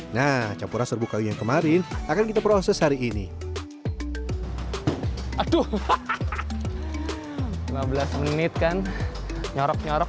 nah campuran serbu kayu yang kemarin akan kita proses hari ini aduh lima belas menit kan nyorok nyorok